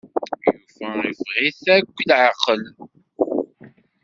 Yuba iffeɣ-it akk leɛqel.